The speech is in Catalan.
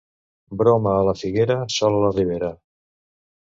Broma a la Figuera, sol a la Ribera.